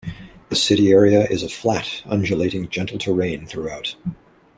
The city area is a flat, undulating gentle terrain throughout.